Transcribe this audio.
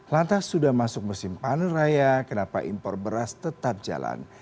lantas sudah masuk musim panen raya kenapa impor beras tetap jalan